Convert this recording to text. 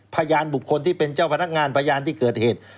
พยานบุคคลที่เป็นเจ้าพนักงานพยานที่เกิดเหตุ